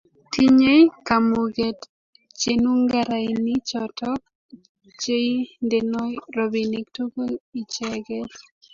tinyei kamugeet chenungarainichoto cheindenoi robinikab tuguk icheget